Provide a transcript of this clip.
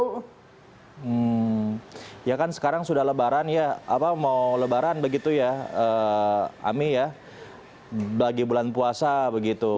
hmm ya kan sekarang sudah lebaran ya apa mau lebaran begitu ya ami ya bagi bulan puasa begitu